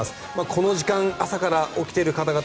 この時間、朝から起きている方々